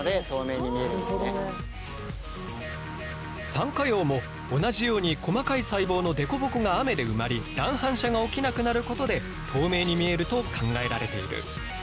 サンカヨウも同じように細かい細胞の凸凹が雨で埋まり乱反射が起きなくなることで透明に見えると考えられている。